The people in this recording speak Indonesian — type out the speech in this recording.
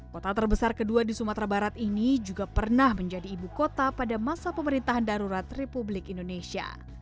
kota terbesar kedua di sumatera barat ini juga pernah menjadi ibu kota pada masa pemerintahan darurat republik indonesia